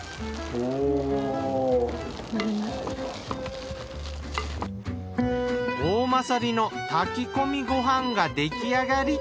おおまさりの炊き込みご飯ができあがり。